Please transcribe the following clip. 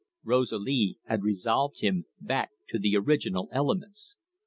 Rosalie had resolved him back to the original elements.